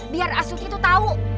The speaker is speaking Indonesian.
biar asyikuti tuh tahu